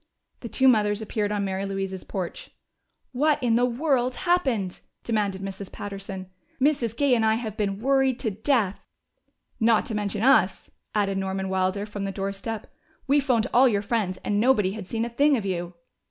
The two mothers appeared on Mary Louise's porch. "What in the world happened?" demanded Mrs. Patterson. "Mrs. Gay and I have been worried to death." "Not to mention us," added Norman Wilder from the doorstep. "We phoned all your friends, and nobody had seen a thing of you."